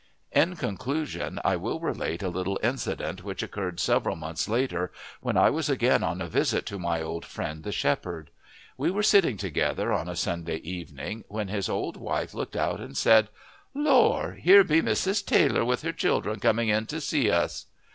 In conclusion I will relate a little incident which occurred several months later, when I was again on a visit to my old friend the shepherd. We were sitting together on a Sunday evening, when his old wife looked out and said, "Lor, here be Mrs. Taylor with her children coming in to see us."